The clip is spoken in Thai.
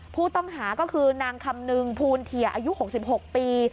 ผู้ต้องหาก็คือนางคำนึงภูณเทียอายุ๖๖ปี